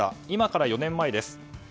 今から４年前です